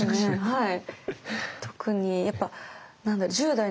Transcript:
はい。